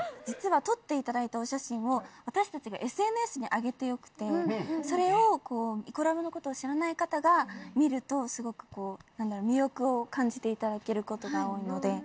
実は撮っていただいたお写真を私たちがＳＮＳにあげてよくてそれをイコラブのことを知らない方が見るとすごく魅力を感じていただけることが多いので。